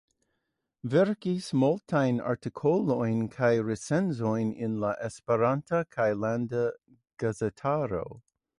Verkis multajn artikolojn kaj recenzojn en la esperanta kaj landa gazetaro.